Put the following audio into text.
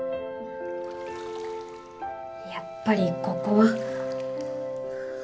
やっぱりここは。